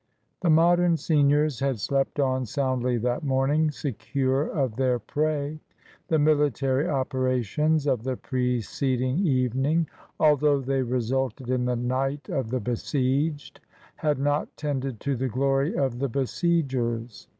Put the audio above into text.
The Modern seniors had slept on soundly that morning, secure of their prey. The military operations of the preceding evening, although they resulted in the night of the besieged, had not tended to the glory of the besiegers.